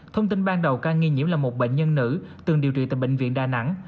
thông tin ban đầu ca nghi nhiễm là một bệnh nhân nữ từng điều trị tại bệnh viện đà nẵng